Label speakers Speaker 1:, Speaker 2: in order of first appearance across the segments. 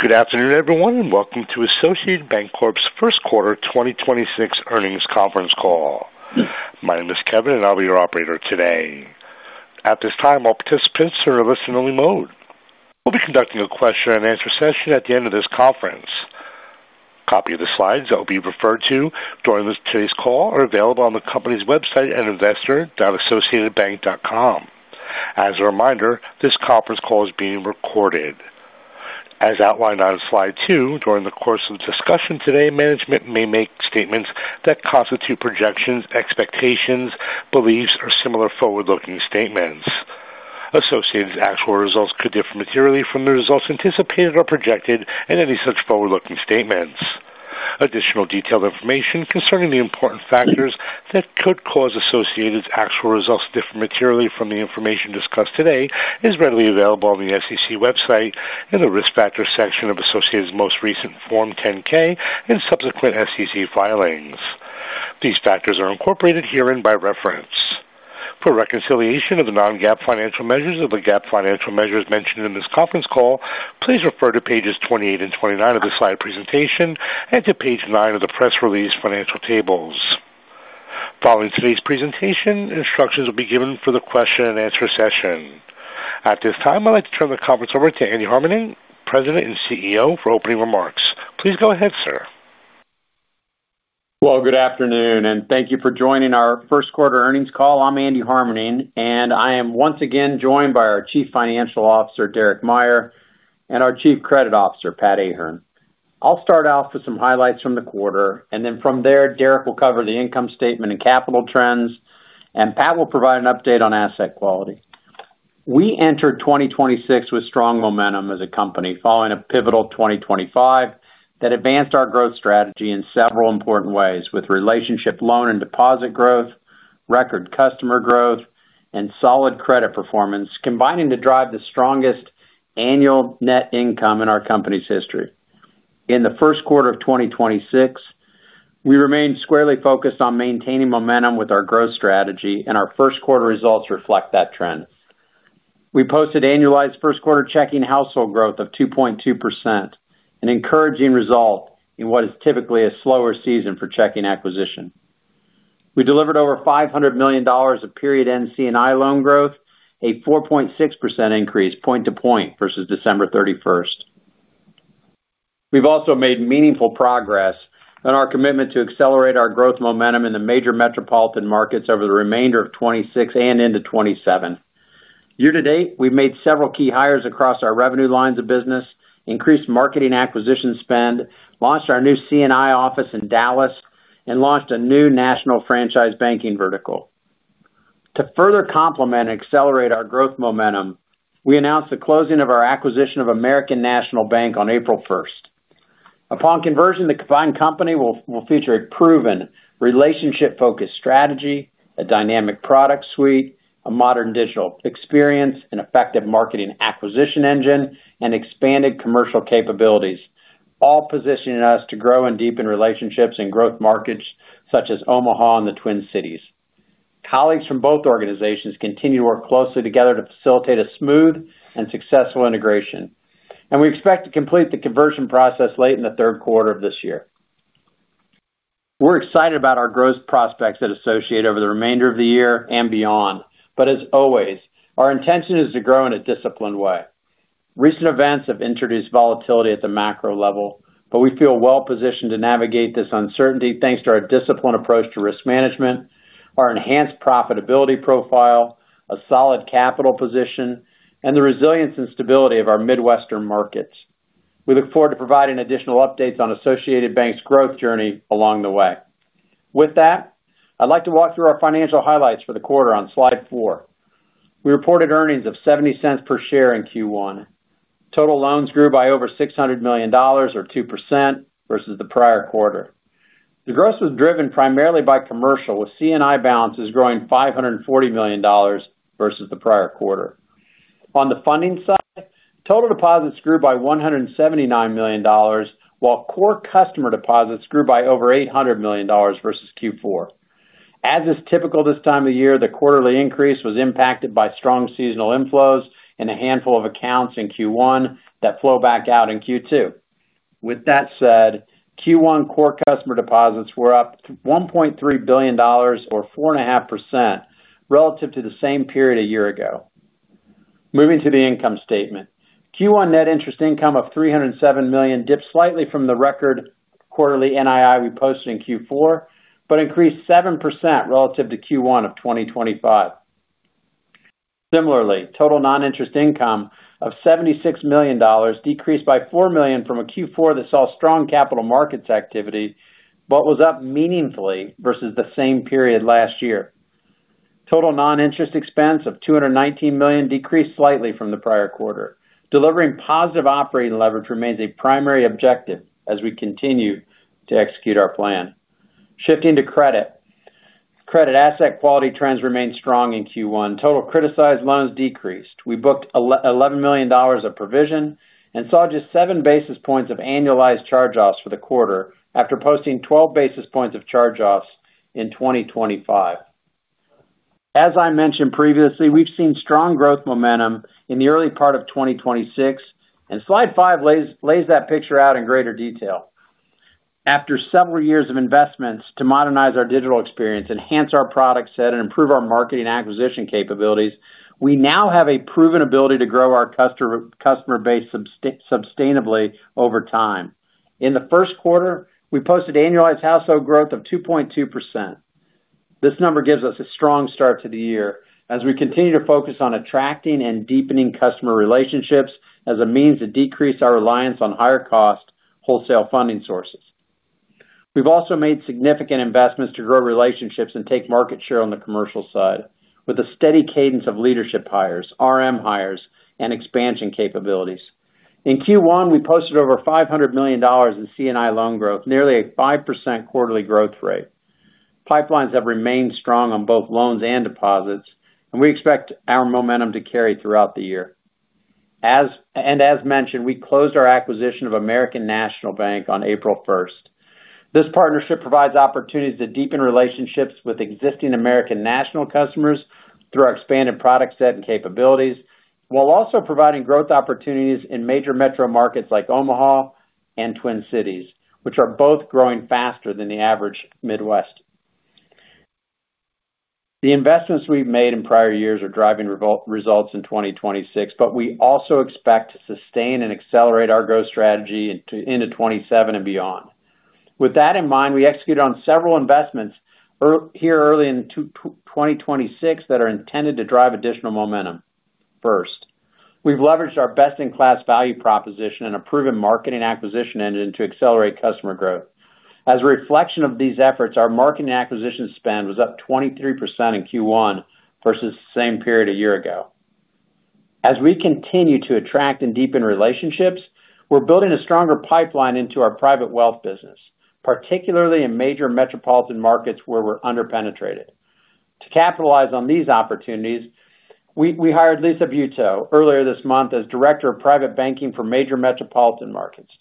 Speaker 1: Good afternoon, everyone, and welcome to Associated Banc-Corp's first quarter 2026 earnings conference call. My name is Kevin and I'll be your operator today. At this time, all participants are in listen-only mode. We'll be conducting a question and answer session at the end of this conference. Copy of the slides that will be referred to during today's call are available on the company's website at investor.associatedbank.com. As a reminder, this conference call is being recorded. As outlined on slide two, during the course of the discussion today, management may make statements that constitute projections, expectations, beliefs, or similar forward-looking statements. Associated's actual results could differ materially from the results anticipated or projected in any such forward-looking statements. Additional detailed information concerning the important factors that could cause associated's actual results to differ materially from the information discussed today is readily available on the SEC website in the Risk Factors section of associated's most recent Form 10-K and subsequent SEC filings. These factors are incorporated herein by reference. For reconciliation of the non-GAAP financial measures to the GAAP financial measures mentioned in this conference call, please refer to pages 28 and 29 of the slide presentation and to page nine of the press release financial tables. Following today's presentation, instructions will be given for the question and answer session. At this time, I'd like to turn the conference over to Andy Harmening, President and CEO, for opening remarks. Please go ahead, sir.
Speaker 2: Well, good afternoon and thank you for joining our first quarter earnings call. I'm Andy Harmening, and I am once again joined by our Chief Financial Officer, Derek Meyer, and our Chief Credit Officer, Pat Ahern. I'll start out with some highlights from the quarter, and then from there, Derek will cover the income statement and capital trends, and Pat will provide an update on asset quality. We entered 2026 with strong momentum as a company following a pivotal 2025 that advanced our growth strategy in several important ways with relationship loan and deposit growth, record customer growth, and solid credit performance combining to drive the strongest annual net income in our company's history. In the first quarter of 2026, we remained squarely focused on maintaining momentum with our growth strategy and our first quarter results reflect that trend. We posted annualized first quarter checking household growth of 2.2%, an encouraging result in what is typically a slower season for checking acquisition. We delivered over $500 million of period end C&I loan growth, a 4.6% increase point to point versus December 31st. We've also made meaningful progress on our commitment to accelerate our growth momentum in the major metropolitan markets over the remainder of 2026 and into 2027. Year to date, we've made several key hires across our revenue lines of business, increased marketing acquisition spend, launched our new C&I office in Dallas, and launched a new national franchise banking vertical. To further complement and accelerate our growth momentum, we announced the closing of our acquisition of American National Bank on April 1st. Upon conversion, the combined company will feature a proven relationship-focused strategy, a dynamic product suite, a modern digital experience, an effective marketing acquisition engine, and expanded commercial capabilities, all positioning us to grow and deepen relationships in growth markets such as Omaha and the Twin Cities. Colleagues from both organizations continue to work closely together to facilitate a smooth and successful integration, and we expect to complete the conversion process late in the third quarter of this year. We're excited about our growth prospects at Associated over the remainder of the year and beyond. As always, our intention is to grow in a disciplined way. Recent events have introduced volatility at the macro level, but we feel well positioned to navigate this uncertainty thanks to our disciplined approach to risk management, our enhanced profitability profile, a solid capital position, and the resilience and stability of our Midwestern markets. We look forward to providing additional updates on Associated Bank's growth journey along the way. With that, I'd like to walk through our financial highlights for the quarter on slide four. We reported earnings of $0.70 per share in Q1. Total loans grew by over $600 million or 2% versus the prior quarter. The growth was driven primarily by commercial, with C&I balances growing $540 million versus the prior quarter. On the funding side, total deposits grew by $179 million, while core customer deposits grew by over $800 million versus Q4. As is typical this time of year, the quarterly increase was impacted by strong seasonal inflows in a handful of accounts in Q1 that flow back out in Q2. With that said, Q1 core customer deposits were up $1.3 billion or 4.5% relative to the same period a year ago. Moving to the income statement. Q1 net interest income of $307 million dipped slightly from the record quarterly NII we posted in Q4, but increased 7% relative to Q1 of 2025. Similarly, total non-interest income of $76 million decreased by $4 million from a Q4 that saw strong capital markets activity but was up meaningfully versus the same period last year. Total non-interest expense of $219 million decreased slightly from the prior quarter. Delivering positive operating leverage remains a primary objective as we continue to execute our plan. Shifting to credit. Credit asset quality trends remained strong in Q1. Total criticized loans decreased. We booked $11 million of provision and saw just 7 basis points of annualized charge-offs for the quarter after posting 12 basis points of charge-offs in 2025. As I mentioned previously, we've seen strong growth momentum in the early part of 2026, and slide five lays that picture out in greater detail. After several years of investments to modernize our digital experience, enhance our product set, and improve our marketing acquisition capabilities, we now have a proven ability to grow our customer base sustainably over time. In the first quarter, we posted annualized household growth of 2.2%. This number gives us a strong start to the year as we continue to focus on attracting and deepening customer relationships as a means to decrease our reliance on higher-cost wholesale funding sources. We've also made significant investments to grow relationships and take market share on the commercial side with a steady cadence of leadership hires, RM hires, and expansion capabilities. In Q1, we posted over $500 million in C&I loan growth, nearly a 5% quarterly growth rate. Pipelines have remained strong on both loans and deposits, and we expect our momentum to carry throughout the year. As mentioned, we closed our acquisition of American National Bank on April 1st. This partnership provides opportunities to deepen relationships with existing American National customers through our expanded product set and capabilities, while also providing growth opportunities in major metro markets like Omaha and Twin Cities, which are both growing faster than the average Midwest. The investments we've made in prior years are driving results in 2026, but we also expect to sustain and accelerate our growth strategy into 2027 and beyond. With that in mind, we executed on several investments here early in 2026 that are intended to drive additional momentum. First, we've leveraged our best-in-class value proposition and a proven marketing acquisition engine to accelerate customer growth. As a reflection of these efforts, our marketing acquisition spend was up 23% in Q1 versus the same period a year ago. As we continue to attract and deepen relationships, we're building a stronger pipeline into our private wealth business, particularly in major metropolitan markets where we're under-penetrated. To capitalize on these opportunities, we hired Lisa Buetow earlier this month as Director of Private Banking for major metropolitan markets.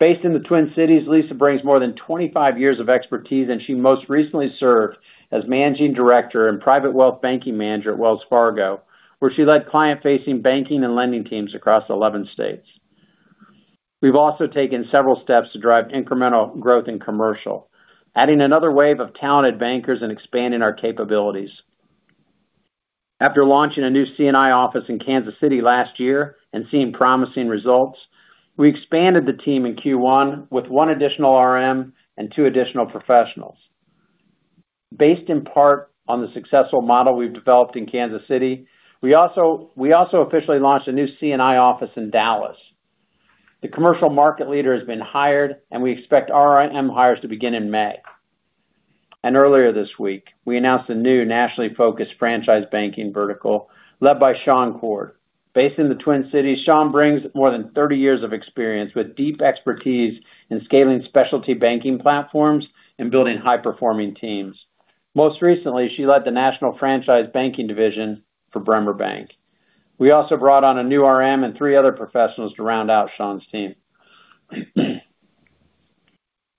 Speaker 2: Based in the Twin Cities, Lisa Buetow brings more than 25 years of expertise, and she most recently served as Managing Director and Private Wealth Banking Manager at Wells Fargo, where she led client-facing banking and lending teams across 11 states. We've also taken several steps to drive incremental growth in commercial, adding another wave of talented bankers and expanding our capabilities. After launching a new C&I office in Kansas City last year and seeing promising results, we expanded the team in Q1 with one additional RM and two additional professionals. Based in part on the successful model we've developed in Kansas City, we also officially launched a new C&I office in Dallas. The commercial market leader has been hired, and we expect RM hires to begin in May. Earlier this week, we announced a new nationally focused franchise banking vertical led by Shaun Coard. Based in the Twin Cities, Shaun brings more than 30 years of experience with deep expertise in scaling specialty banking platforms and building high-performing teams. Most recently, she led the national franchise banking division for Bremer Bank. We also brought on a new RM and three other professionals to round out Shaun's team.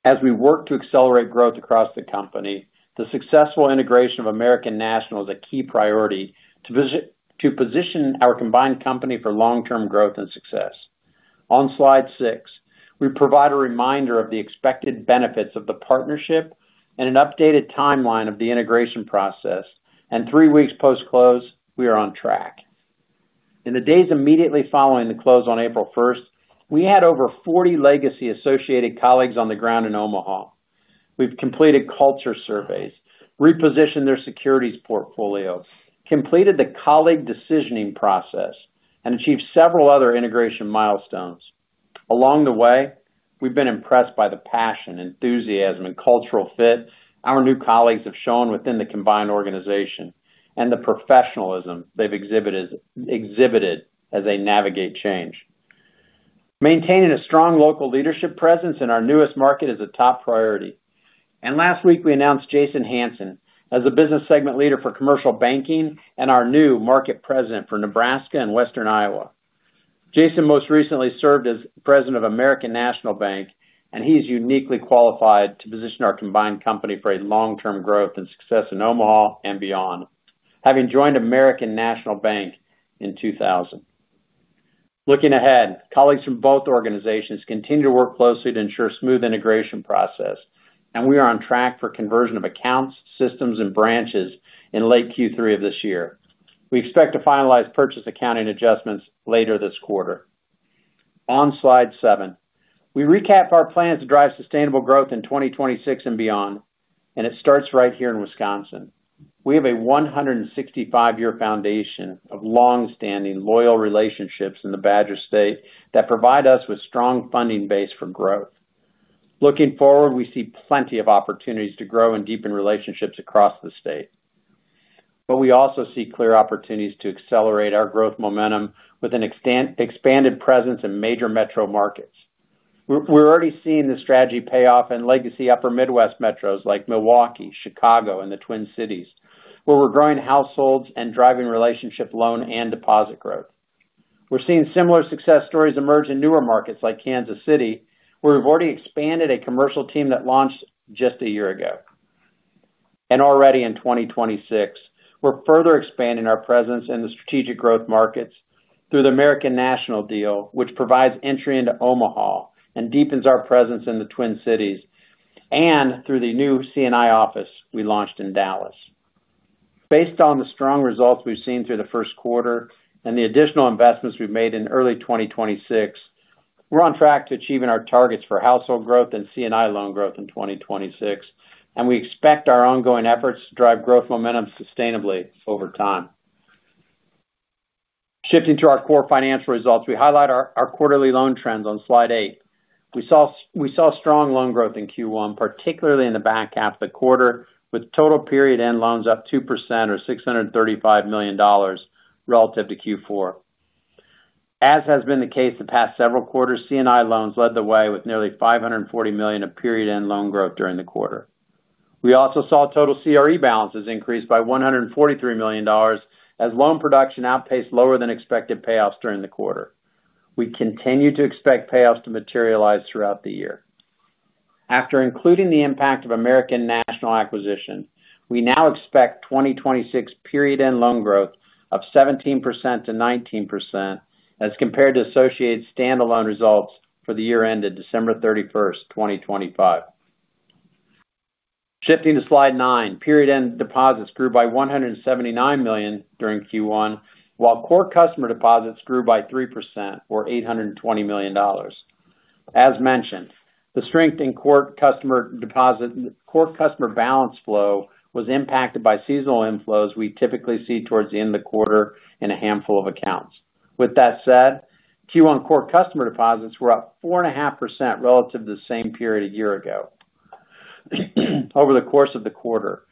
Speaker 2: As we work to accelerate growth across the company, the successful integration of American National is a key priority to position our combined company for long-term growth and success. On slide six, we provide a reminder of the expected benefits of the partnership and an updated timeline of the integration process. Three weeks post-close, we are on track. In the days immediately following the close on April 1st, we had over 40 legacy Associated colleagues on the ground in Omaha. We've completed culture surveys, repositioned their securities portfolio, completed the colleague decisioning process, and achieved several other integration milestones. Along the way, we've been impressed by the passion, enthusiasm, and cultural fit our new colleagues have shown within the combined organization and the professionalism they've exhibited as they navigate change. Maintaining a strong local leadership presence in our newest market is a top priority. Last week, we announced Jason Hansen as the Business Segment Leader for Commercial Banking and our new Market President for Nebraska and Western Iowa. Jason most recently served as President of American National Bank, and he's uniquely qualified to position our combined company for a long-term growth and success in Omaha and beyond, having joined American National Bank in 2000. Looking ahead, colleagues from both organizations continue to work closely to ensure smooth integration process, and we are on track for conversion of accounts, systems, and branches in late Q3 of this year. We expect to finalize purchase accounting adjustments later this quarter. On slide seven, we recap our plans to drive sustainable growth in 2026 and beyond, and it starts right here in Wisconsin. We have a 165-year foundation of long-standing loyal relationships in the Badger State that provide us with strong funding base for growth. Looking forward, we see plenty of opportunities to grow and deepen relationships across the state. We also see clear opportunities to accelerate our growth momentum with an expanded presence in major metro markets. We're already seeing the strategy pay off in legacy Upper Midwest metros like Milwaukee, Chicago, and the Twin Cities, where we're growing households and driving relationship loan and deposit growth. We're seeing similar success stories emerge in newer markets like Kansas City, where we've already expanded a commercial team that launched just a year ago. Already in 2026, we're further expanding our presence in the strategic growth markets through the American National deal, which provides entry into Omaha and deepens our presence in the Twin Cities, and through the new C&I office we launched in Dallas. Based on the strong results we've seen through the first quarter and the additional investments we've made in early 2026, we're on track to achieving our targets for household growth and C&I loan growth in 2026, and we expect our ongoing efforts to drive growth momentum sustainably over time. Shifting to our core financial results, we highlight our quarterly loan trends on slide eight. We saw strong loan growth in Q1, particularly in the back half of the quarter, with total period-end loans up 2% or $635 million relative to Q4. As has been the case the past several quarters, C&I loans led the way with nearly $540 million of period-end loan growth during the quarter. We also saw total CRE balances increase by $143 million as loan production outpaced lower than expected payoffs during the quarter. We continue to expect payoffs to materialize throughout the year. After including the impact of American National acquisition, we now expect 2026 period-end loan growth of 17%-19%, as compared to Associated standalone results for the year ended December 31st, 2025. Shifting to slide 9. Period-end deposits grew by $179 million during Q1, while core customer deposits grew by 3% or $820 million. As mentioned, the strength in core customer balance flow was impacted by seasonal inflows we typically see towards the end of the quarter in a handful of accounts. With that said, Q1 core customer deposits were up 4.5% relative to the same period a year ago. Over the course of the quarter,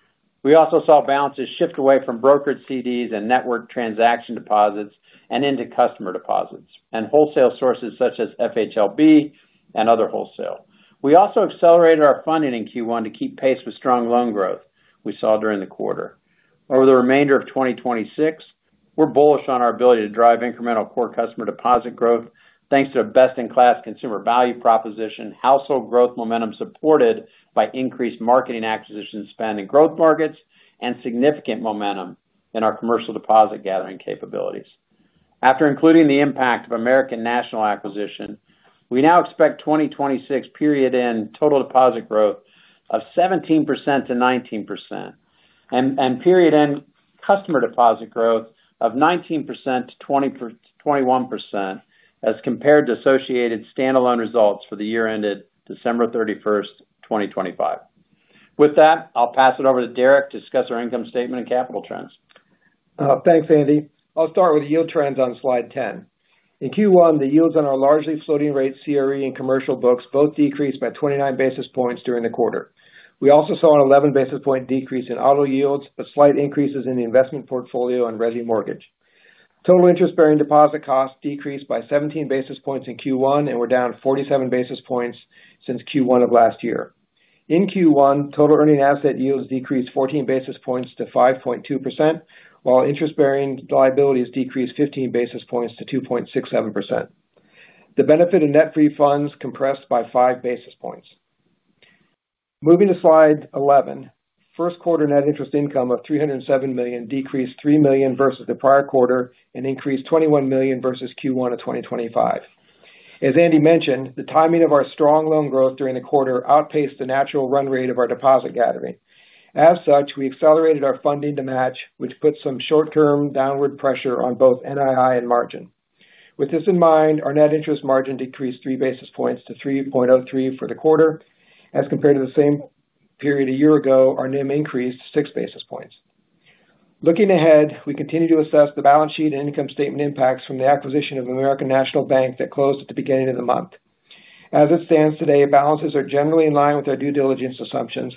Speaker 2: we also saw balances shift away from brokered CDs and network transaction deposits and into customer deposits and wholesale sources such as FHLB and other wholesale. We also accelerated our funding in Q1 to keep pace with strong loan growth we saw during the quarter. Over the remainder of 2026, we're bullish on our ability to drive incremental core customer deposit growth thanks to best-in-class consumer value proposition, household growth momentum supported by increased marketing acquisition spend in growth markets, and significant momentum in our commercial deposit gathering capabilities. After including the impact of American National acquisition, we now expect 2026 period-end total deposit growth of 17%-19%, and period-end customer deposit growth of 19%-21%, as compared to Associated standalone results for the year ended December 31st, 2025. With that, I'll pass it over to Derek to discuss our income statement and capital trends.
Speaker 3: Thanks, Andy. I'll start with yield trends on slide 10. In Q1, the yields on our largely floating rate CRE and commercial books both decreased by 29 basis points during the quarter. We also saw an 11-basis point decrease in auto yields, but slight increases in the investment portfolio and Resi mortgage. Total interest-bearing deposit costs decreased by 17 basis points in Q1, and were down 47 basis points since Q1 of last year. In Q1, total earning asset yields decreased 14 basis points to 5.2%, while interest-bearing liabilities decreased 15 basis points to 2.67%. The benefit of net funding compressed by five basis points. Moving to slide 11. First quarter net interest income of $307 million decreased $3 million versus the prior quarter and increased $21 million versus Q1 of 2025. As Andy mentioned, the timing of our strong loan growth during the quarter outpaced the natural run rate of our deposit gathering. As such, we accelerated our funding to match, which put some short-term downward pressure on both NII and margin. With this in mind, our net interest margin decreased three basis points to 3.03 for the quarter. As compared to the same period a year ago, our NIM increased six basis points. Looking ahead, we continue to assess the balance sheet and income statement impacts from the acquisition of American National Bank that closed at the beginning of the month. As it stands today, balances are generally in line with our due diligence assumptions.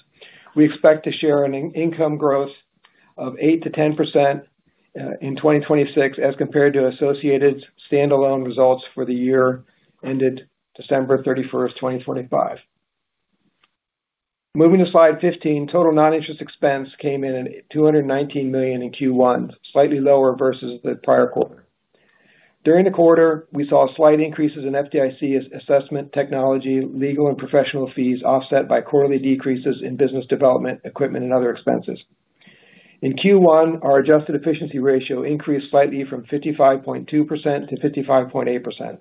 Speaker 3: We expect to see an income growth of 8%-10% in 2026 as compared to Associated standalone results for the year ended December 31st, 2025. Moving to slide 15. Total non-interest expense came in at $219 million in Q1, slightly lower versus the prior quarter. During the quarter, we saw slight increases in FDIC assessment technology, legal and professional fees offset by quarterly decreases in business development, equipment and other expenses. In Q1, our adjusted efficiency ratio increased slightly from 55.2%-55.8%.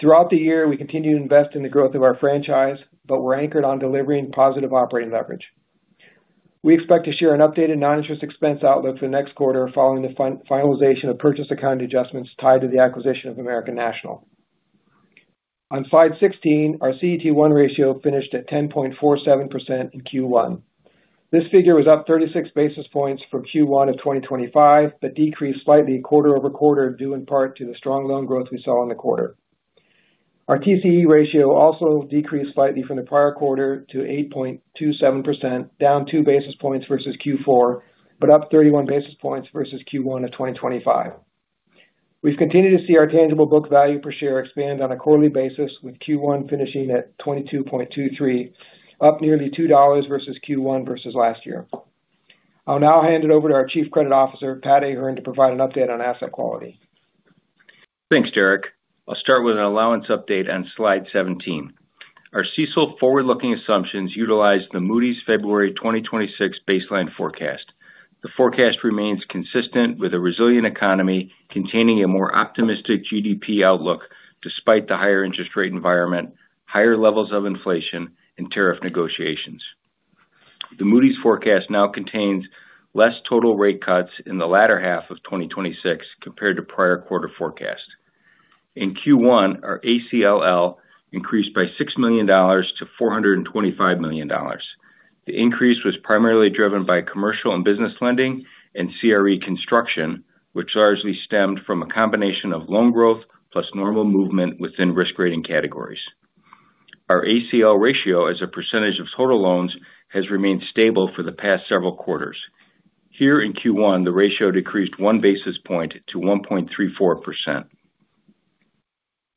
Speaker 3: Throughout the year, we continued to invest in the growth of our franchise, but we're anchored on delivering positive operating leverage. We expect to share an updated non-interest expense outlook for next quarter following the finalization of purchase accounting adjustments tied to the acquisition of American National. On slide 16, our CET1 ratio finished at 10.47% in Q1. This figure was up 36 basis points from Q1 of 2025, but decreased slightly quarter-over-quarter due in part to the strong loan growth we saw in the quarter. Our TCE ratio also decreased slightly from the prior quarter to 8.27%, down 2 basis points versus Q4, but up 31 basis points versus Q1 of 2025. We've continued to see our tangible book value per share expand on a quarterly basis, with Q1 finishing at 22.23, up nearly $2 versus Q1 versus last year. I'll now hand it over to our Chief Credit Officer, Pat Ahern, to provide an update on asset quality.
Speaker 4: Thanks, Derek. I'll start with an allowance update on slide 17. Our CECL forward-looking assumptions utilized the Moody's February 2026 baseline forecast. The forecast remains consistent with a resilient economy containing a more optimistic GDP outlook despite the higher interest rate environment, higher levels of inflation, and tariff negotiations. The Moody's forecast now contains less total rate cuts in the latter half of 2026 compared to prior quarter forecast. In Q1, our ACLL increased by $6 million to $425 million. The increase was primarily driven by commercial and business lending and CRE construction, which largely stemmed from a combination of loan growth plus normal movement within risk rating categories. Our ACL ratio as a percentage of total loans has remained stable for the past several quarters. Here in Q1, the ratio decreased one basis point to 1.34%.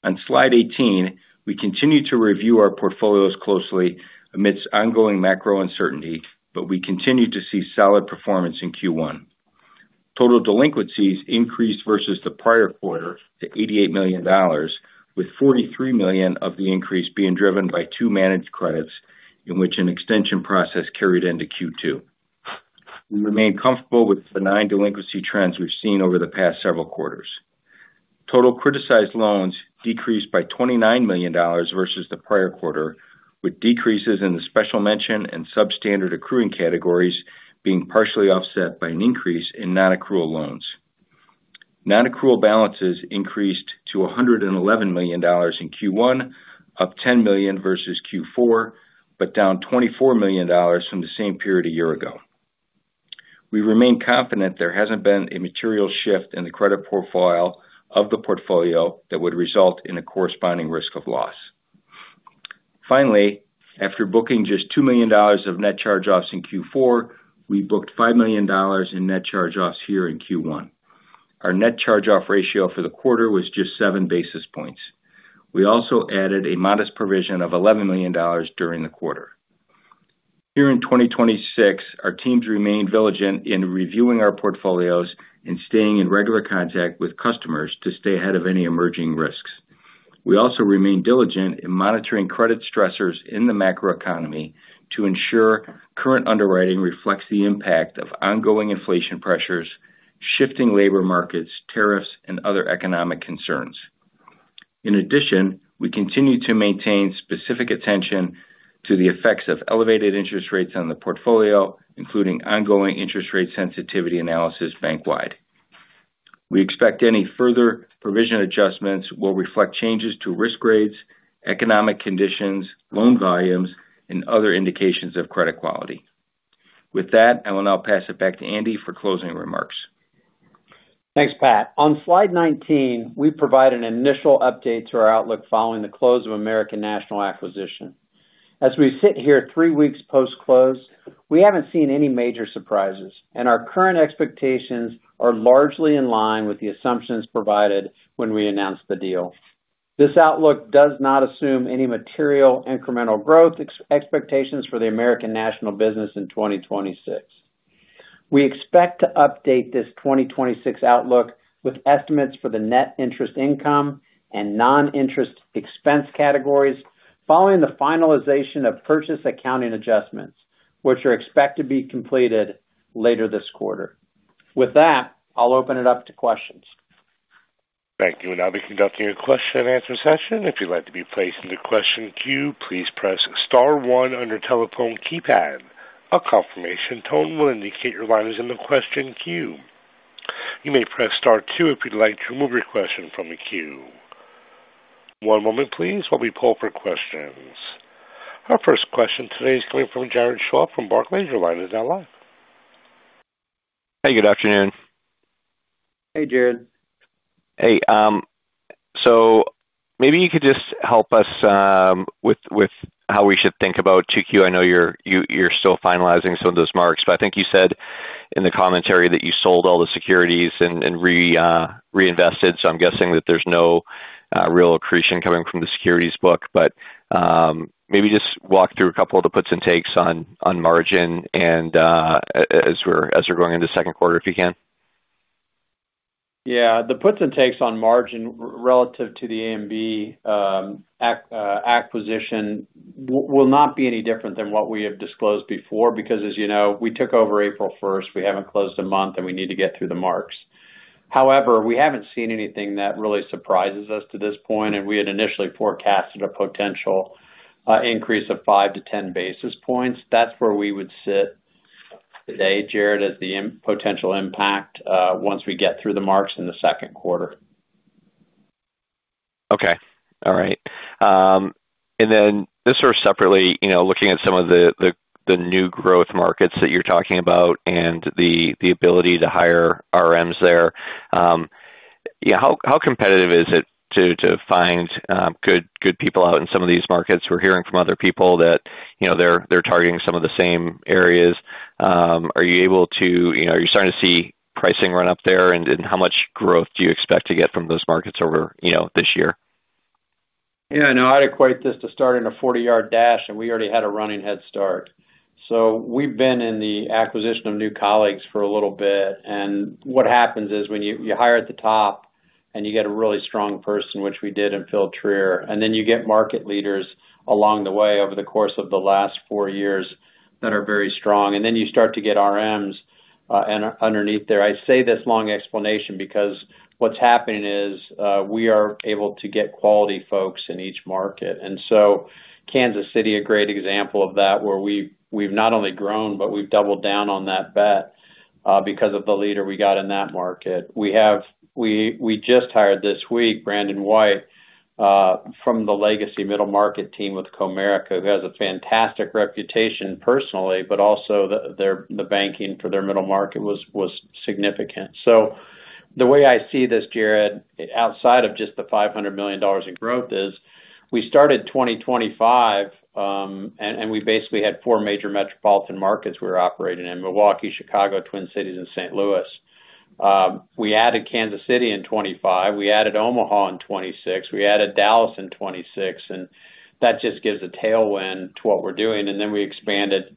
Speaker 4: On slide 18, we continue to review our portfolios closely amidst ongoing macro uncertainty, but we continue to see solid performance in Q1. Total delinquencies increased versus the prior quarter to $88 million, with $43 million of the increase being driven by two managed credits in which an extension process carried into Q2. We remain comfortable with the nine delinquency trends we've seen over the past several quarters. Total criticized loans decreased by $29 million versus the prior quarter, with decreases in the special mention and substandard accruing categories being partially offset by an increase in non-accrual loans. Non-accrual balances increased to $111 million in Q1, up $10 million versus Q4, but down $24 million from the same period a year ago. We remain confident there hasn't been a material shift in the credit profile of the portfolio that would result in a corresponding risk of loss. Finally, after booking just $2 million of net charge-offs in Q4, we booked $5 million in net charge-offs here in Q1. Our net charge-off ratio for the quarter was just seven basis points. We also added a modest provision of $11 million during the quarter. Here in 2026, our teams remain diligent in reviewing our portfolios and staying in regular contact with customers to stay ahead of any emerging risks. We also remain diligent in monitoring credit stressors in the macroeconomy to ensure current underwriting reflects the impact of ongoing inflation pressures, shifting labor markets, tariffs, and other economic concerns. In addition, we continue to maintain specific attention to the effects of elevated interest rates on the portfolio, including ongoing interest rate sensitivity analysis bank-wide. We expect any further provision adjustments will reflect changes to risk grades, economic conditions, loan volumes, and other indications of credit quality. With that, I will now pass it back to Andy for closing remarks.
Speaker 2: Thanks, Pat. On slide 19, we provide an initial update to our outlook following the close of American National acquisition. As we sit here three weeks post-close, we haven't seen any major surprises, and our current expectations are largely in line with the assumptions provided when we announced the deal. This outlook does not assume any material incremental growth expectations for the American National business in 2026. We expect to update this 2026 outlook with estimates for the net interest income and non-interest expense categories following the finalization of purchase accounting adjustments, which are expected to be completed later this quarter. With that, I'll open it up to questions.
Speaker 1: Thank you. We'll now be conducting a question and answer session. If you'd like to be placed in the question queue, please press star one on your telephone keypad. A confirmation tone will indicate your line is in the question queue. You may press star two if you'd like to remove your question from the queue. One moment please while we poll for questions. Our first question today is coming from Jared Shaw from Barclays. Your line is now live.
Speaker 5: Hey, good afternoon.
Speaker 2: Hey, Jared.
Speaker 5: Hey. Maybe you could just help us with how we should think about 2Q. I know you're still finalizing some of those marks, but I think you said in the commentary that you sold all the securities and reinvested, so I'm guessing that there's no real accretion coming from the securities book. Maybe just walk through a couple of the puts and takes on margin and as we're going into the second quarter, if you can.
Speaker 2: Yeah. The puts and takes on margin relative to the ANB acquisition will not be any different than what we have disclosed before, because as you know, we took over April 1st. We haven't closed a month, and we need to get through the marks. However, we haven't seen anything that really surprises us to this point, and we had initially forecasted a potential increase of 5-10 basis points. That's where we would sit today, Jared, as the potential impact once we get through the marks in the second quarter.
Speaker 5: Okay. All right. Just sort of separately, looking at some of the new growth markets that you're talking about and the ability to hire RMs there. How competitive is it to find good people out in some of these markets? We're hearing from other people that they're targeting some of the same areas. Are you starting to see pricing run up there, and how much growth do you expect to get from those markets over this year?
Speaker 2: Yeah, no, I'd equate this to starting a 40-yard dash, and we already had a running head start. We've been in the acquisition of new colleagues for a little bit. What happens is, when you hire at the top and you get a really strong person, which we did in Phillip Trier, and then you get market leaders along the way over the course of the last four years that are very strong, and then you start to get RMs underneath there. I say this long explanation because what's happening is we are able to get quality folks in each market. Kansas City, a great example of that, where we've not only grown, but we've doubled down on that bet because of the leader we got in that market. We just hired this week Brandon White from the legacy middle market team with Comerica, who has a fantastic reputation personally, but also the banking for their middle market was significant. The way I see this, Jared, outside of just the $500 million in growth is we started 2025, and we basically had four major metropolitan markets we were operating in, Milwaukee, Chicago, Twin Cities, and St. Louis. We added Kansas City in 2025. We added Omaha in 2026. We added Dallas in 2026, and that just gives a tailwind to what we're doing. We expanded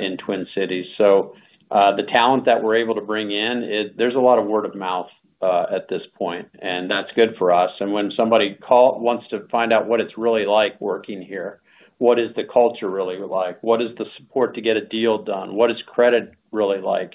Speaker 2: in Twin Cities. The talent that we're able to bring in, there's a lot of word of mouth at this point, and that's good for us. When somebody wants to find out what it's really like working here. What is the culture really like? What is the support to get a deal done? What is credit really like?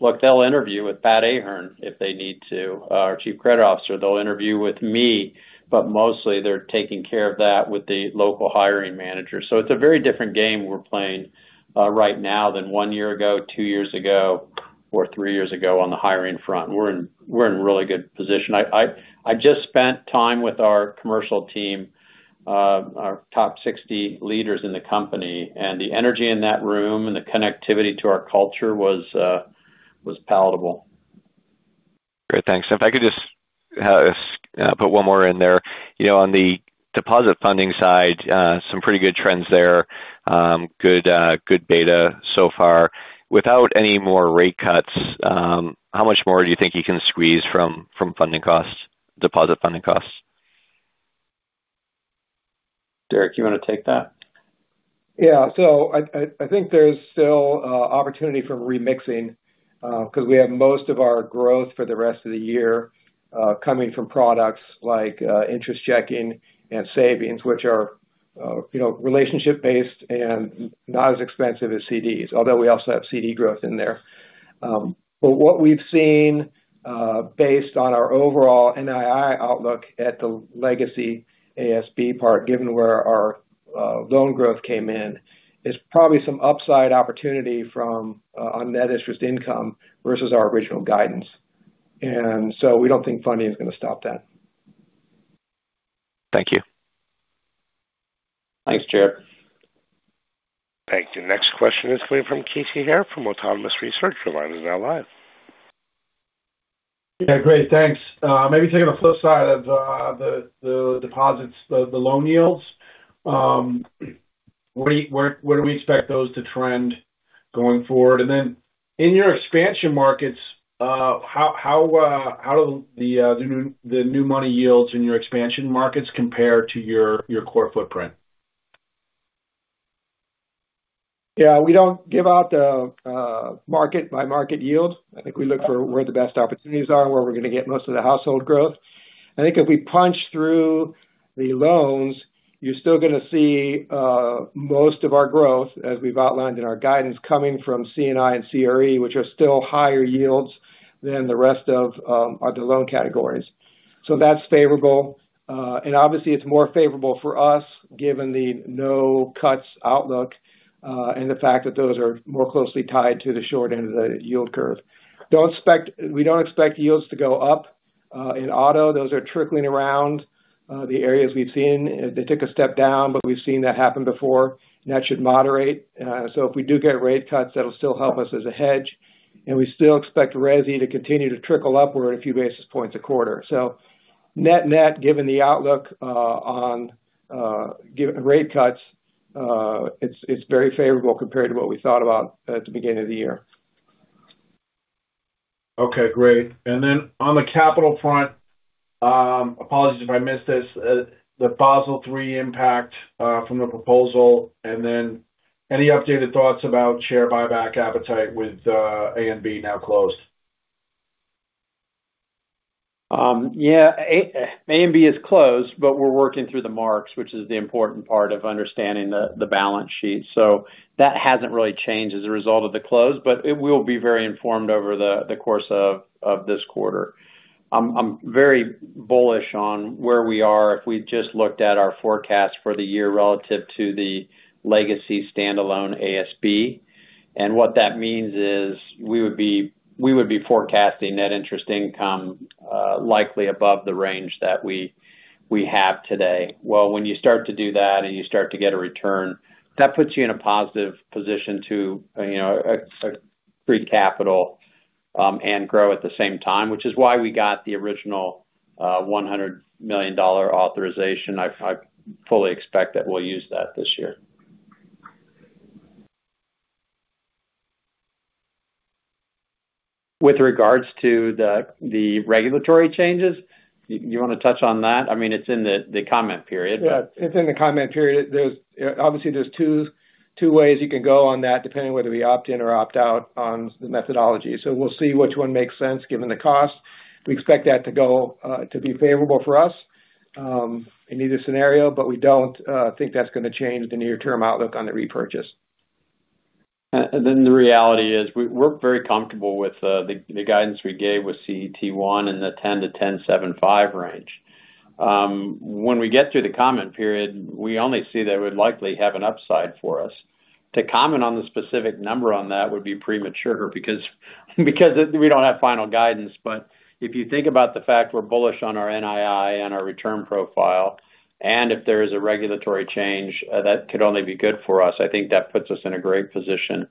Speaker 2: Look, they'll interview with Pat Ahern if they need to, our Chief Credit Officer. They'll interview with me, but mostly they're taking care of that with the local hiring manager. It's a very different game we're playing right now than one year ago, two years ago, or three years ago on the hiring front. We're in a really good position. I just spent time with our commercial team, our top 60 leaders in the company, and the energy in that room and the connectivity to our culture was palatable.
Speaker 5: Great. Thanks. If I could just put one more in there. On the deposit funding side, some pretty good trends there. Good beta so far. Without any more rate cuts, how much more do you think you can squeeze from deposit funding costs?
Speaker 2: Derek, you want to take that?
Speaker 3: Yeah. I think there's still opportunity for remixing because we have most of our growth for the rest of the year coming from products like interest checking and savings, which are relationship based and not as expensive as CDs, although we also have CD growth in there. What we've seen based on our overall NII outlook at the legacy ASB part, given where our loan growth came in, is probably some upside opportunity from our net interest income versus our original guidance. We don't think funding is going to stop that.
Speaker 5: Thank you.
Speaker 2: Thanks, Jared.
Speaker 1: Thank you. Next question is coming from Casey Haire from Autonomous Research. Your line is now live.
Speaker 6: Yeah, great. Thanks. Maybe taking the flip side of the deposits, the loan yields. Where do we expect those to trend going forward? In your expansion markets, how do the new money yields in your expansion markets compare to your core footprint?
Speaker 3: Yeah. We don't give out the market by market yield. I think we look for where the best opportunities are and where we're going to get most of the household growth. I think if we punch through the loans, you're still going to see most of our growth, as we've outlined in our guidance, coming from C&I and CRE, which are still higher yields than the rest of the loan categories. That's favorable. Obviously, it's more favorable for us given the no cuts outlook and the fact that those are more closely tied to the short end of the yield curve. We don't expect yields to go up in auto. Those are tracking around the areas we've seen. They took a step down, but we've seen that happen before. That should moderate. If we do get rate cuts, that'll still help us as a hedge, and we still expect Resi to continue to trickle upward a few basis points a quarter. Net-net, given the outlook on rate cuts, it's very favorable compared to what we thought about at the beginning of the year.
Speaker 6: Okay, great. On the capital front, apologies if I missed this, the Basel III impact from the proposal, and then any updated thoughts about share buyback appetite with A&B now closed?
Speaker 2: Yeah. ANB is closed, but we're working through the marks, which is the important part of understanding the balance sheet. That hasn't really changed as a result of the close, but we'll be very informed over the course of this quarter. I'm very bullish on where we are if we just looked at our forecast for the year relative to the legacy standalone ASB. What that means is we would be forecasting net interest income likely above the range that we have today. Well, when you start to do that and you start to get a return, that puts you in a positive position to free up capital and grow at the same time, which is why we got the original $100 million authorization. I fully expect that we'll use that this year. With regards to the regulatory changes, you want to touch on that? It's in the comment period.
Speaker 3: Yes. It's in the comment period. Obviously, there's two ways you can go on that, depending whether we opt in or opt out on the methodology. We'll see which one makes sense given the cost. We expect that to be favorable for us in either scenario, but we don't think that's going to change the near-term outlook on the repurchase.
Speaker 2: The reality is we're very comfortable with the guidance we gave with CET1 in the 10%-10.75% range. When we get through the comment period, we only see that it would likely have an upside for us. To comment on the specific number on that would be premature because we don't have final guidance. If you think about the fact we're bullish on our NII and our return profile, and if there is a regulatory change, that could only be good for us. I think that puts us in a great position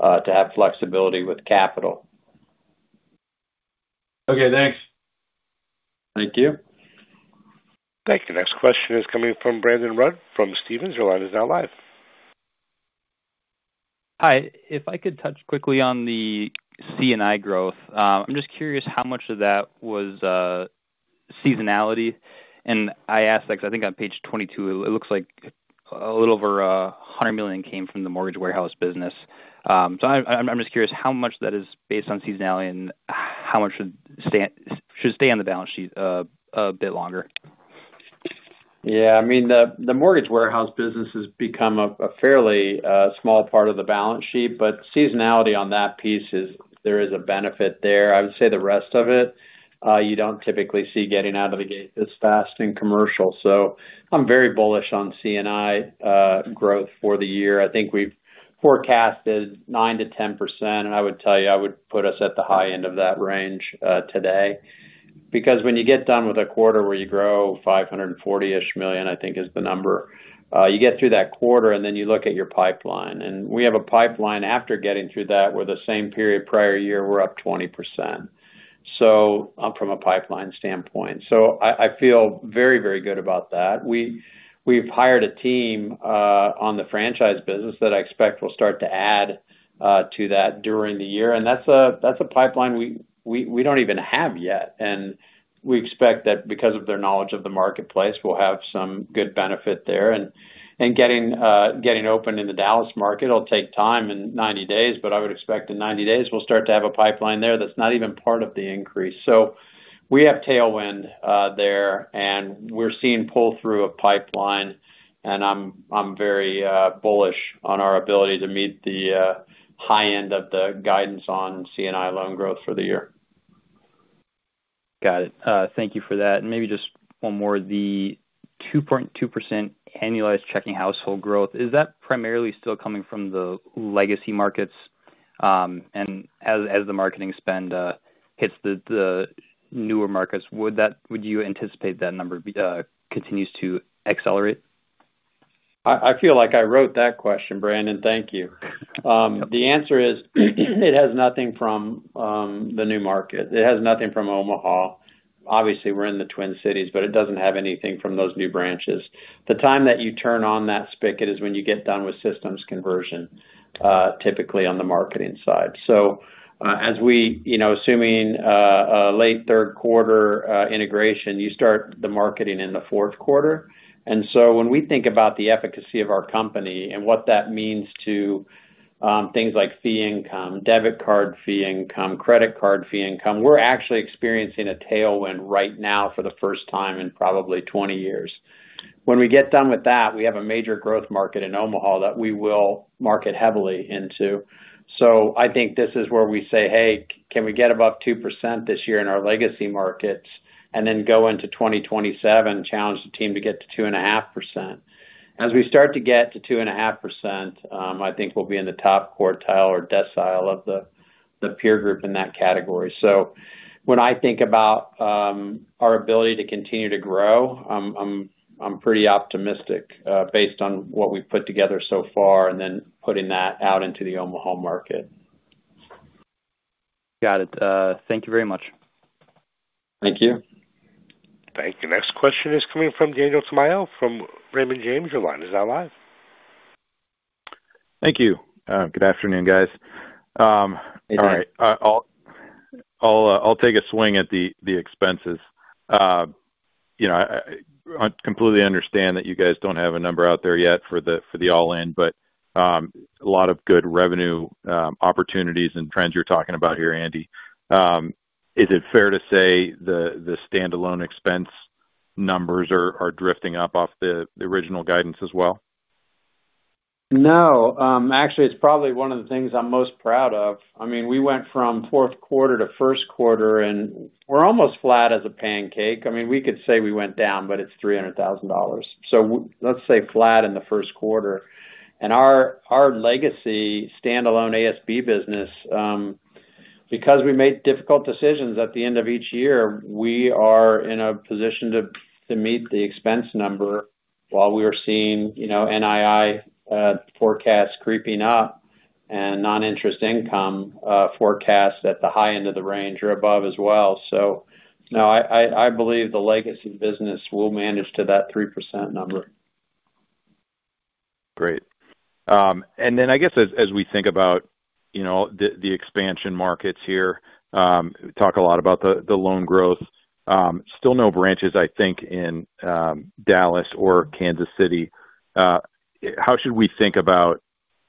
Speaker 2: to have flexibility with capital.
Speaker 6: Okay. Thanks.
Speaker 2: Thank you.
Speaker 1: Thank you. Next question is coming from Brandon Rud from Stephens. Your line is now live.
Speaker 7: Hi. If I could touch quickly on the C&I growth. I'm just curious how much of that was seasonality. I ask because I think on page 22, it looks like a little over $100 million came from the mortgage warehouse business. I'm just curious how much that is based on seasonality and how much should stay on the balance sheet a bit longer.
Speaker 2: Yeah. The mortgage warehouse business has become a fairly small part of the balance sheet, but seasonality on that piece is. There is a benefit there. I would say the rest of it. You don't typically see getting out of the gate this fast in commercial. I'm very bullish on C&I growth for the year. I think we've forecasted 9%-10%, and I would tell you. I would put us at the high end of that range today. Because when you get done with a quarter where you grow $540-ish million, I think is the number. You get through that quarter, and then you look at your pipeline. We have a pipeline after getting through that, where the same period prior year, we're up 20%, from a pipeline standpoint. I feel very good about that. We've hired a team on the franchise business that I expect will start to add to that during the year, and that's a pipeline we don't even have yet. We expect that because of their knowledge of the marketplace, we'll have some good benefit there. Getting open in the Dallas market will take time in 90 days, but I would expect in 90 days, we'll start to have a pipeline there that's not even part of the increase. We have tailwind there, and we're seeing pull-through of pipeline, and I'm very bullish on our ability to meet the high end of the guidance on C&I loan growth for the year.
Speaker 7: Got it. Thank you for that. Maybe just one more. The 2.2% annualized checking household growth, is that primarily still coming from the legacy markets? As the marketing spend hits the newer markets, would you anticipate that number continues to accelerate?
Speaker 2: I feel like I wrote that question, Brandon. Thank you. The answer is it has nothing from the new market. It has nothing from Omaha. Obviously, we're in the Twin Cities, but it doesn't have anything from those new branches. The time that you turn on that spigot is when you get done with systems conversion, typically on the marketing side. Assuming a late third quarter integration, you start the marketing in the fourth quarter. When we think about the efficacy of our company and what that means to things like fee income, debit card fee income, credit card fee income, we're actually experiencing a tailwind right now for the first time in probably 20 years. When we get done with that, we have a major growth market in Omaha that we will market heavily into. I think this is where we say, "Hey, can we get above 2% this year in our legacy markets?" go into 2027, challenge the team to get to 2.5%. As we start to get to 2.5%, I think we'll be in the top quartile or decile of the peer group in that category. When I think about our ability to continue to grow, I'm pretty optimistic based on what we've put together so far and then putting that out into the Omaha market.
Speaker 7: Got it. Thank you very much.
Speaker 2: Thank you.
Speaker 1: Thank you. Next question is coming from Daniel Tamayo from Raymond James. Your line is now live.
Speaker 8: Thank you. Good afternoon, guys.
Speaker 2: Hey, Dan.
Speaker 8: All right. I'll take a swing at the expenses. I completely understand that you guys don't have a number out there yet for the all-in, but a lot of good revenue opportunities and trends you're talking about here, Andy. Is it fair to say the standalone expense numbers are drifting up off the original guidance as well?
Speaker 2: No. Actually, it's probably one of the things I'm most proud of. We went from fourth quarter to first quarter, and we're almost flat as a pancake. We could say we went down, but it's $300,000. Let's say flat in the first quarter. Our legacy standalone ASB business because we made difficult decisions at the end of each year, we are in a position to meet the expense number while we are seeing NII forecasts creeping up and non-interest income forecasts at the high end of the range or above as well. No. I believe the legacy business will manage to that 3% number.
Speaker 8: Great. I guess as we think about the expansion markets here, talk a lot about the loan growth. Still no branches, I think, in Dallas or Kansas City. How should we think about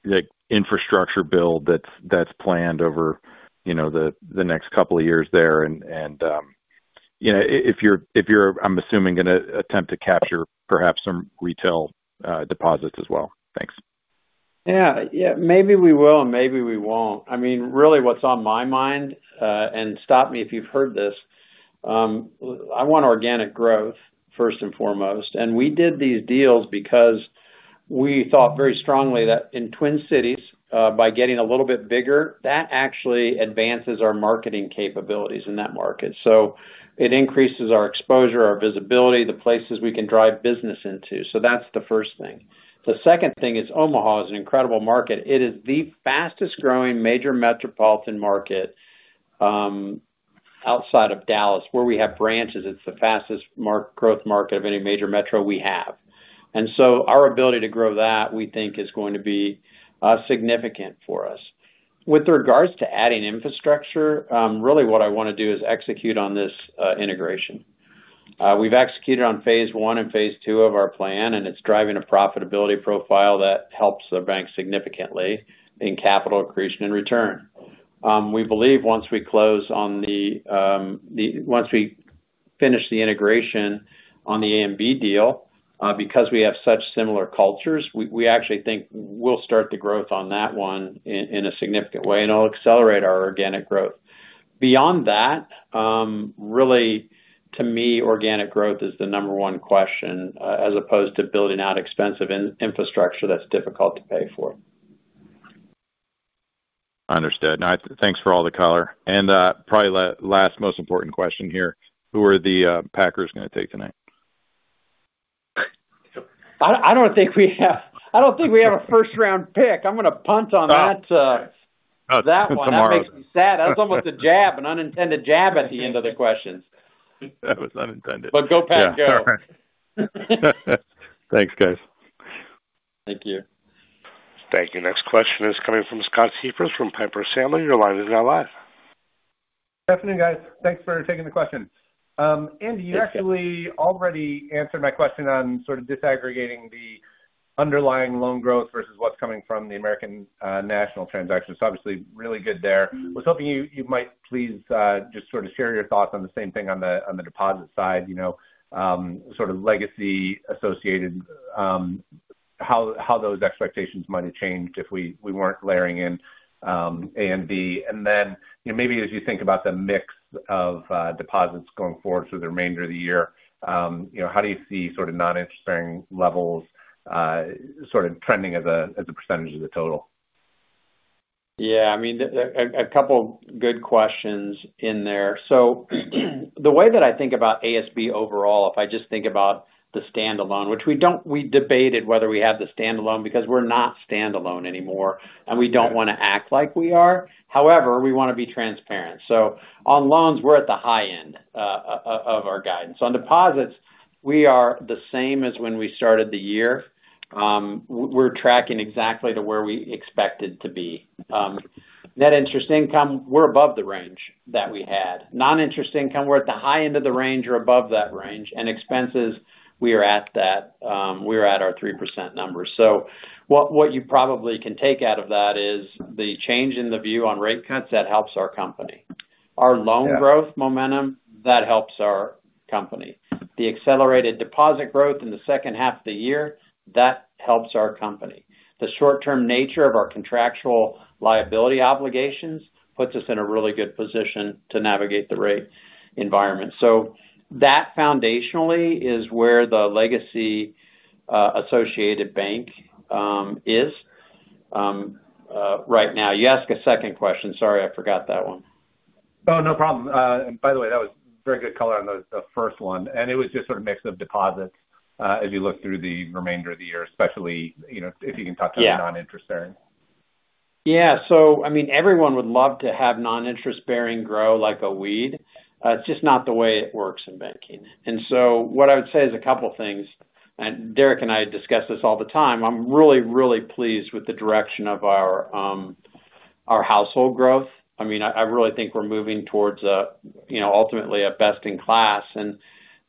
Speaker 8: the infrastructure build that's planned over the next couple of years there and if you're, I'm assuming, going to attempt to capture perhaps some retail deposits as well? Thanks.
Speaker 2: Yeah. Maybe we will and maybe we won't. Really what's on my mind, and stop me if you've heard this, I want organic growth first and foremost. We did these deals because we thought very strongly that in Twin Cities, by getting a little bit bigger, that actually advances our marketing capabilities in that market. It increases our exposure, our visibility, the places we can drive business into. That's the first thing. The second thing is Omaha is an incredible market. It is the fastest-growing major metropolitan market outside of Dallas. Where we have branches, it's the fastest growth market of any major metro we have. Our ability to grow that, we think, is going to be significant for us. With regards to adding infrastructure, really what I want to do is execute on this integration. We've executed on phase one and phase two of our plan, and it's driving a profitability profile that helps the bank significantly in capital accretion and return. We believe once we finish the integration on the ANB deal because we have such similar cultures, we actually think we'll start the growth on that one in a significant way and it'll accelerate our organic growth. Beyond that, really to me, organic growth is the number one question as opposed to building out expensive infrastructure that's difficult to pay for.
Speaker 8: Understood. Thanks for all the color. Probably last most important question here, who are the Packers going to take tonight?
Speaker 2: I don't think we have a first-round pick. I'm going to punt on that one.
Speaker 8: Tomorrow.
Speaker 2: That makes me sad. That's almost a jab, an unintended jab at the end of the questions.
Speaker 8: That was unintended.
Speaker 2: Go Packers.
Speaker 8: Yeah. All right. Thanks, guys.
Speaker 2: Thank you.
Speaker 1: Thank you. Next question is coming from Scott Siefers from Piper Sandler. Your line is now live.
Speaker 9: Good afternoon, guys. Thanks for taking the question. Andy, you actually already answered my question on sort of disaggregating the underlying loan growth versus what's coming from the American National transaction. Obviously, really good there. I was hoping you might please just sort of share your thoughts on the same thing on the deposit side. Sort of legacy Associated, how those expectations might have changed if we weren't layering in ANB. And then, maybe as you think about the mix of deposits going forward through the remainder of the year, how do you see sort of non-interest bearing levels sort of trending as a percentage of the total?
Speaker 2: Yeah. A couple good questions in there. The way that I think about ASB overall, if I just think about the standalone. Which we debated whether we have the standalone because we're not standalone anymore, and we don't want to act like we are. However, we want to be transparent. On loans, we're at the high end of our guidance. On deposits, we are the same as when we started the year. We're tracking exactly to where we expected to be. Net interest income, we're above the range that we had. Non-interest income, we're at the high end of the range or above that range. And expenses, we are at our 3% number. What you probably can take out of that is the change in the view on rate cuts, that helps our company.
Speaker 9: Yeah.
Speaker 2: Our loan growth momentum, that helps our company. The accelerated deposit growth in the second half of the year, that helps our company. The short-term nature of our contractual liability obligations puts us in a really good position to navigate the rate environment. That foundationally is where the legacy Associated Bank is right now. You asked a second question. Sorry, I forgot that one.
Speaker 9: Oh, no problem. By the way, that was very good color on the first one. It was just sort of mix of deposits as you look through the remainder of the year, especially if you can talk to the
Speaker 2: Yeah
Speaker 9: non-interest-bearing.
Speaker 2: Yeah. Everyone would love to have non-interest-bearing grow like a weed. It's just not the way it works in banking. What I would say is a couple things, and Derek and I discuss this all the time. I'm really, really pleased with the direction of our household growth. I really think we're moving towards ultimately a best-in-class, and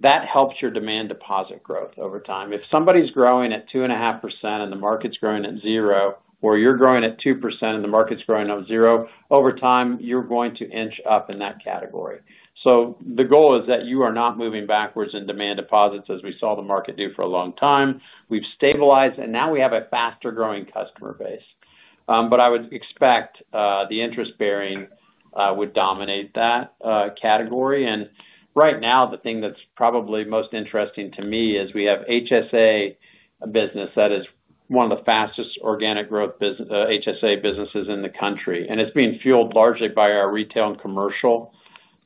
Speaker 2: that helps your demand deposit growth over time. If somebody's growing at 2.5% and the market's growing at 0%, or you're growing at 2% and the market's growing at 0%, over time, you're going to inch up in that category. The goal is that you are not moving backwards in demand deposits as we saw the market do for a long time. We've stabilized, and now we have a faster-growing customer base. I would expect the interest-bearing would dominate that category. Right now, the thing that's probably most interesting to me is we have HSA business that is one of the fastest organic growth HSA businesses in the country, and it's being fueled largely by our retail and commercial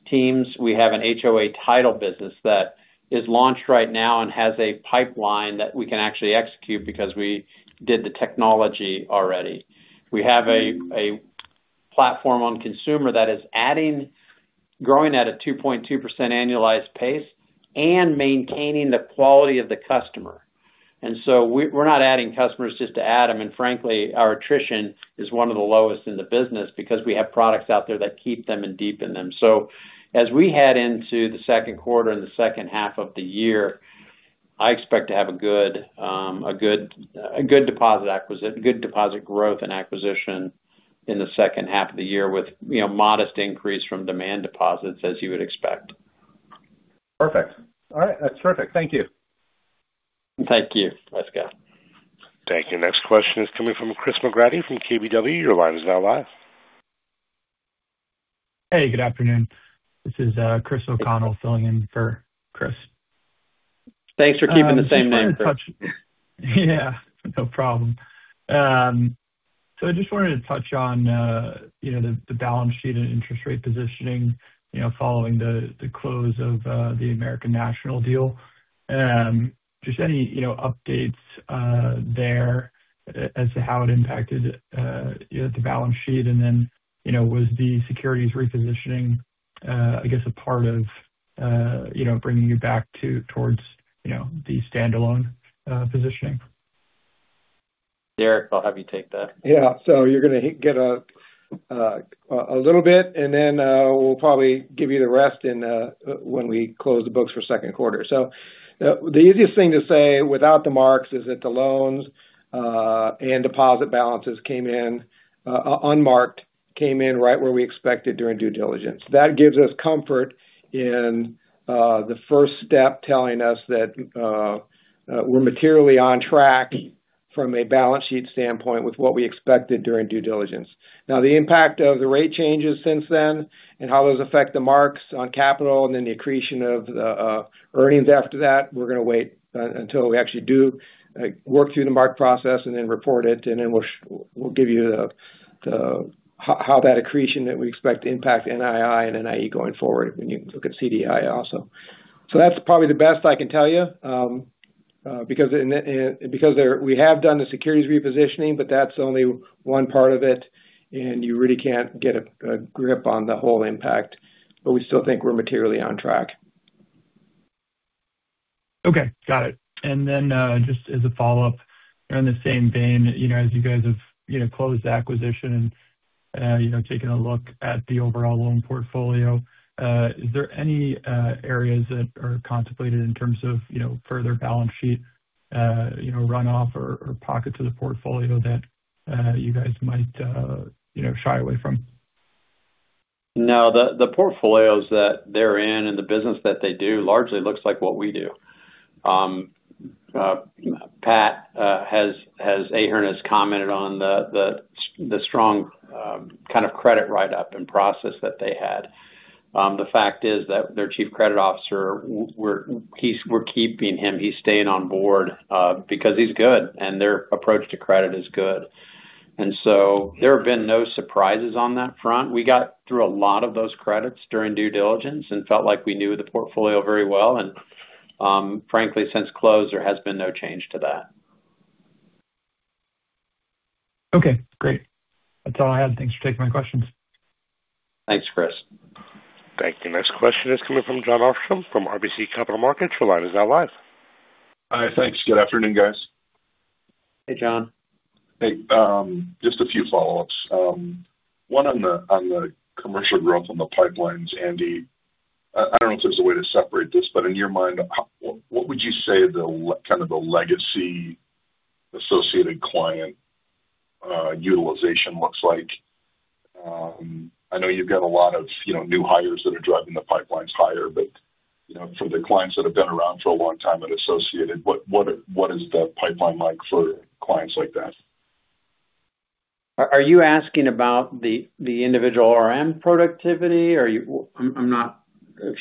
Speaker 2: teams. We have an HOA title business that is launched right now and has a pipeline that we can actually execute because we did the technology already. We have a platform on consumer that is growing at a 2.2% annualized pace and maintaining the quality of the customer. We're not adding customers just to add them. Frankly, our attrition is one of the lowest in the business because we have products out there that keep them and deepen them. As we head into the second quarter and the second half of the year, I expect to have a good deposit growth and acquisition in the second half of the year with modest increase from demand deposits, as you would expect.
Speaker 9: Perfect. All right. That's perfect. Thank you.
Speaker 2: Thank you. Let's go.
Speaker 1: Thank you. Next question is coming from Christopher McGratty from KBW. Your line is now live.
Speaker 10: Hey, good afternoon. This is Christopher O'Connell filling in for Chris.
Speaker 2: Thanks for keeping the same name.
Speaker 10: Yeah, no problem. So I just wanted to touch on the balance sheet and interest rate positioning following the close of the American National deal. Just any updates there as to how it impacted the balance sheet, and then was the securities repositioning a part of bringing you back towards the standalone positioning?
Speaker 2: Derek, I'll have you take that.
Speaker 3: Yeah. You're going to get a little bit, and then we'll probably give you the rest when we close the books for second quarter. The easiest thing to say, without the marks, is that the loans and deposit balances unmarked, came in right where we expected during due diligence. That gives us comfort in the first step, telling us that we're materially on track from a balance sheet standpoint with what we expected during due diligence. Now, the impact of the rate changes since then and how those affect the marks on capital and then the accretion of the earnings after that, we're going to wait until we actually do work through the mark process and then report it, and then we'll give you how that accretion that we expect to impact NII and NIE going forward. You can look at CDI also. That's probably the best I can tell you because we have done the securities repositioning, but that's only one part of it, and you really can't get a grip on the whole impact. We still think we're materially on track.
Speaker 10: Okay, got it. Just as a follow-up, in the same vein, as you guys have closed the acquisition and taken a look at the overall loan portfolio, is there any areas that are contemplated in terms of further balance sheet runoff or pockets of the portfolio that you guys might shy away from?
Speaker 2: No, the portfolios that they're in and the business that they do largely looks like what we do. Pat Ahern has commented on the strong kind of credit write-up and process that they had. The fact is that their Chief Credit Officer, we're keeping him. He's staying on board because he's good, and their approach to credit is good. There have been no surprises on that front. We got through a lot of those credits during due diligence and felt like we knew the portfolio very well. Frankly, since close, there has been no change to that.
Speaker 10: Okay, great. That's all I had. Thanks for taking my questions.
Speaker 2: Thanks, Chris.
Speaker 1: Thank you. Next question is coming from Jon Arfstrom from RBC Capital Markets. Your line is now live.
Speaker 11: Hi. Thanks. Good afternoon, guys.
Speaker 2: Hey, Jon.
Speaker 11: Hey. Just a few follow-ups. One on the commercial growth on the pipelines. Andy, I don't know if there's a way to separate this, but in your mind, what would you say kind of the legacy Associated client utilization looks like? I know you've got a lot of new hires that are driving the pipelines higher, but for the clients that have been around for a long time at Associated, what is the pipeline like for clients like that?
Speaker 2: Are you asking about the individual RM productivity? If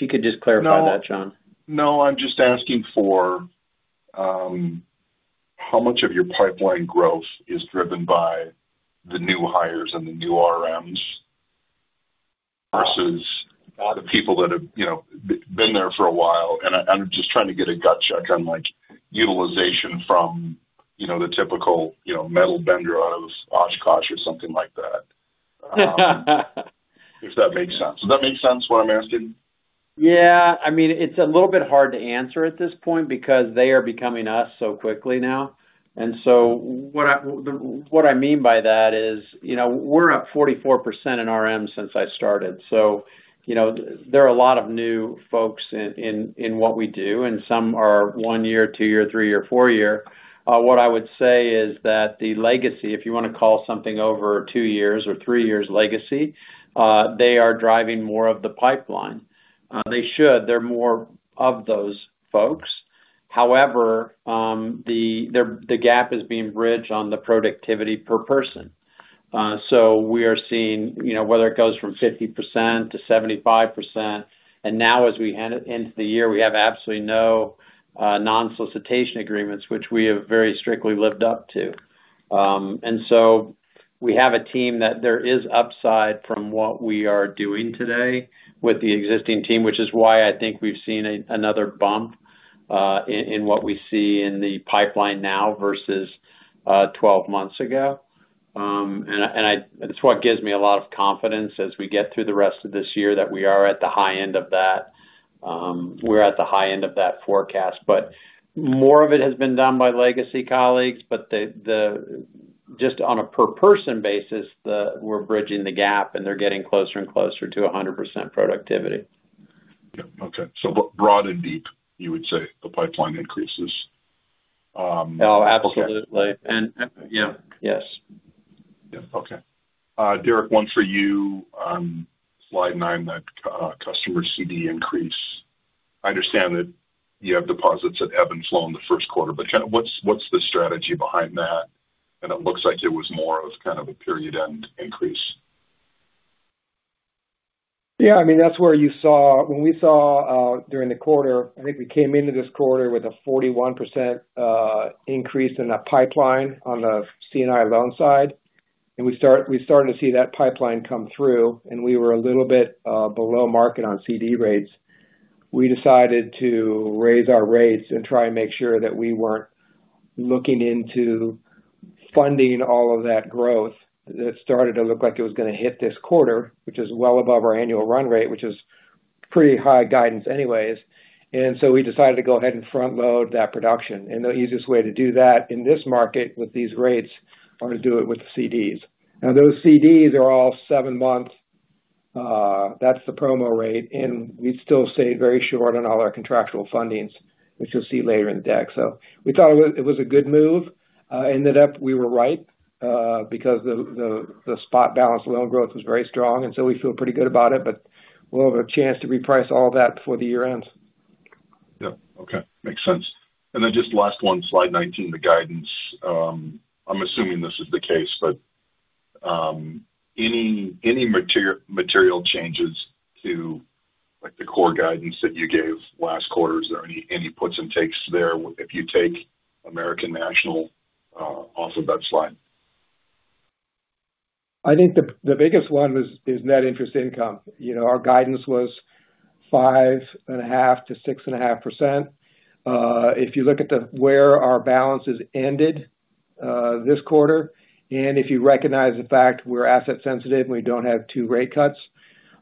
Speaker 2: you could just clarify that, Jon.
Speaker 11: No, I'm just asking for how much of your pipeline growth is driven by the new hires and the new RMs versus the people that have been there for a while. I'm just trying to get a gut check on utilization from the typical metal bender out of Oshkosh or something like that. If that makes sense. Does that make sense, what I'm asking?
Speaker 2: Yeah. It's a little bit hard to answer at this point because they are becoming us so quickly now. What I mean by that is we're up 44% in RM since I started. There are a lot of new folks in what we do, and some are one year, two year, three year, four year. What I would say is that the legacy, if you want to call something over two years or three years legacy, they are driving more of the pipeline. They should. They're more of those folks. However, the gap is being bridged on the productivity per person. We are seeing whether it goes from 50%-75%. Now as we head into the year, we have absolutely no non-solicitation agreements, which we have very strictly lived up to. We have a team that there is upside from what we are doing today with the existing team, which is why I think we've seen another bump in what we see in the pipeline now versus 12 months ago. It's what gives me a lot of confidence as we get through the rest of this year that we are at the high end of that forecast. More of it has been done by legacy colleagues, but just on a per person basis, we're bridging the gap and they're getting closer and closer to 100% productivity.
Speaker 11: Yep. Okay. Broad and deep, you would say, the pipeline increases?
Speaker 2: Oh, absolutely.
Speaker 11: Okay.
Speaker 2: Yeah. Yes.
Speaker 11: Yeah. Okay. Derek, one for you on slide nine, that customer CD increase. I understand that you have deposits that ebb and flow in the first quarter, but kind of what's the strategy behind that? It looks like it was more of kind of a period end increase.
Speaker 3: Yeah, when we saw during the quarter, I think we came into this quarter with a 41% increase in the pipeline on the C&I loan side. We started to see that pipeline come through, and we were a little bit below market on CD rates. We decided to raise our rates and try and make sure that we weren't looking into funding all of that growth that started to look like it was going to hit this quarter, which is well above our annual run rate, which is pretty high guidance anyways. We decided to go ahead and front-load that production. The easiest way to do that in this market with these rates are to do it with the CDs. Now, those CDs are all seven months. That's the promo rate, and we'd still stay very short on all our contractual fundings, which you'll see later in the deck. We thought it was a good move. Ended up we were right because the spot balance loan growth was very strong, and so we feel pretty good about it, but we'll have a chance to reprice all that before the year ends.
Speaker 11: Yeah. Okay. Makes sense. Just last one, slide 19, the guidance. I'm assuming this is the case, but any material changes to the core guidance that you gave last quarter? Is there any puts and takes there if you take American National off of that slide?
Speaker 3: I think the biggest one is net interest income. Our guidance was 5.5%-6.5%. If you look at where our balances ended this quarter, and if you recognize the fact we're asset sensitive and we don't have two rate cuts,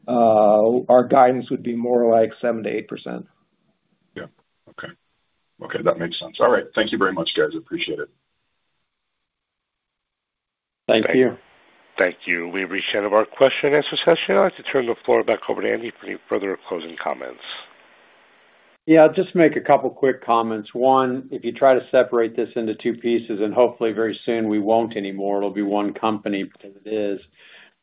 Speaker 3: our guidance would be more like 7%-8%.
Speaker 11: Yeah. Okay. That makes sense. All right. Thank you very much, guys. Appreciate it.
Speaker 3: Thank you.
Speaker 2: Thank you.
Speaker 1: Thank you. We've reached the end of our question and answer session. I'd like to turn the floor back over to Andy for any further closing comments.
Speaker 2: Yeah, I'll just make a couple quick comments. One, if you try to separate this into two pieces, and hopefully very soon we won't anymore, it'll be one company because it is.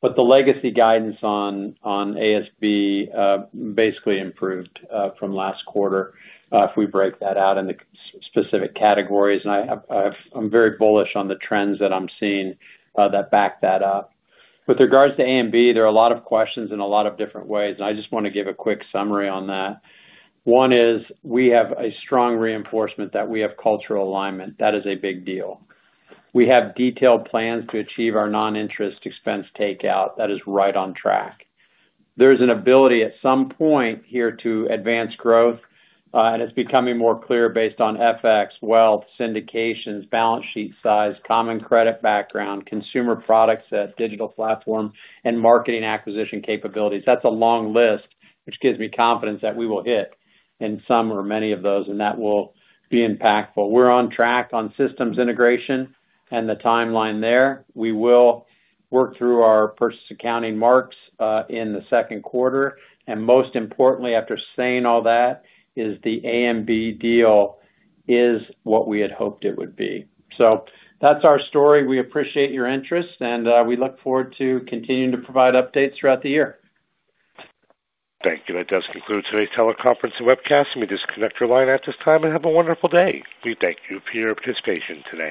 Speaker 2: The legacy guidance on ASB basically improved from last quarter, if we break that out into specific categories, and I'm very bullish on the trends that I'm seeing that back that up. With regards to A&B, there are a lot of questions in a lot of different ways, and I just want to give a quick summary on that. One is we have a strong reinforcement that we have cultural alignment. That is a big deal. We have detailed plans to achieve our non-interest expense takeout. That is right on track There's an ability at some point here to advance growth, and it's becoming more clear based on FX, wealth, syndications, balance sheet size, common credit background, consumer products, that digital platform, and marketing acquisition capabilities. That's a long list, which gives me confidence that we will hit in some or many of those, and that will be impactful. We're on track on systems integration and the timeline there. We will work through our purchase accounting marks in the second quarter, and most importantly, after saying all that, is the A&B deal is what we had hoped it would be. That's our story. We appreciate your interest, and we look forward to continuing to provide updates throughout the year.
Speaker 1: Thank you. That does conclude today's teleconference and webcast. You may disconnect your line at this time, and have a wonderful day. We thank you for your participation today.